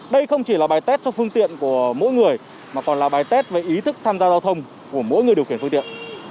đây không chỉ là bài tét cho phương tiện của mỗi người mà còn là bài tết về ý thức tham gia giao thông của mỗi người điều khiển phương tiện